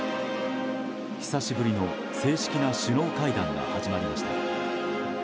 久しぶりの正式な首脳会談が始まりました。